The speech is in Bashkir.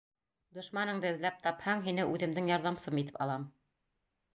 Дошманыңды эҙләп тапһаң, һине үҙемдең ярҙамсым итеп алам.